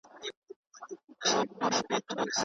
ایا د مخامخ زده کړي کیفیت د آنلاین زده کړي په پرتله لوړ دی؟